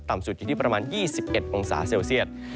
สุดอยู่ที่ประมาณ๒๑องศาเซลเซียต